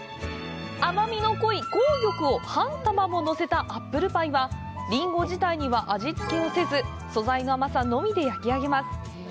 甘みの濃い紅玉を半玉ものせたアップルパイは、リンゴ自体には味つけをせず、素材の甘さのみで焼き上げます。